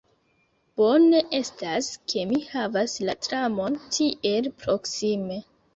Bone estas ke mi havas la tramon tiel proksime.